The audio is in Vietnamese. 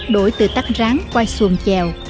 đổi từ tắc rán qua xuồng chèo